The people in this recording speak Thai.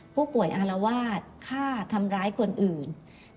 อารวาสฆ่าทำร้ายคนอื่น